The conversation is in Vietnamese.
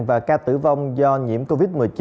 và ca tử vong do nhiễm covid một mươi chín